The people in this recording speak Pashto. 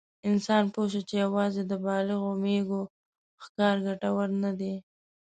انسان پوه شو چې یواځې د بالغو مېږو ښکار ګټور نه دی.